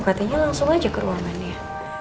katanya langsung aja ke ruangannya